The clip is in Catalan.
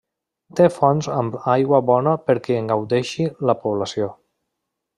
Té fonts amb aigua bona perquè en gaudeixi la població.